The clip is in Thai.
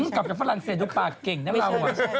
กลับจากฝรั่งเศสดูปากเก่งน้ำเรา